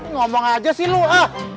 ngomong aja sih lo ah